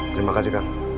terima kasih kak